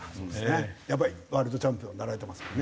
やっぱりワールドチャンピオンになられてますもんね。